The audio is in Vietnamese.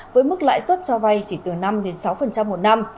với mức lãi suất cho vay chỉ từ năm sáu một năm